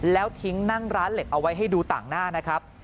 แล้วทิ้งนั่งร้านเหล็กเอาไว้ให้ดูต่างหน้านะครับ